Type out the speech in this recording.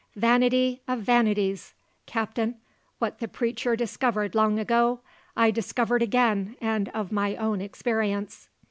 'Vanity of vanities,' Captain what the Preacher discovered long ago I discovered again and of my own experience."